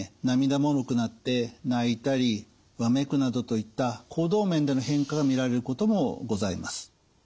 涙もろくなって泣いたりわめくなどといった行動面での変化が見られることもございます。